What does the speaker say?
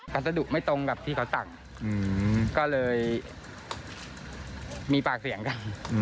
ัสดุไม่ตรงกับที่เขาสั่งก็เลยมีปากเสียงกัน